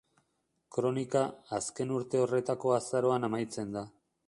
Kronika, azken urte horretako azaroan amaitzen da.